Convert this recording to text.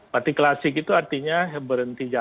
mati klasik itu artinya berhenti jauh